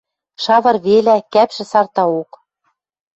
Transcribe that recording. Шавыр велӓ, кӓпшӹ сартаок.